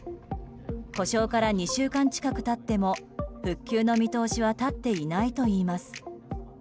故障から２週間近く経っても復旧の見通しは立っていないといいます。